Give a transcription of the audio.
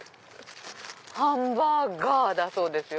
ハンバーガーだそうですよ。